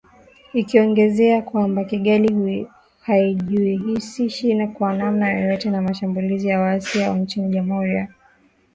Ikiongezea kwamba “Kigali haijihusishi kwa namna yoyote na mashambulizi ya waasi hao nchini Jamhuri ya Kidemokrasia ya Kongo"